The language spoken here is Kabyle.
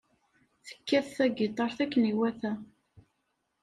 Tekkat tagitaṛt akken iwata.